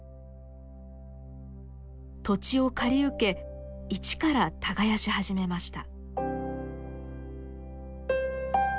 土地を借り受け一から耕し始めました。